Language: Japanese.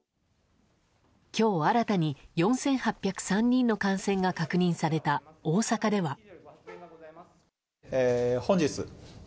今日新たに４８０３人の感染が確認された大阪では。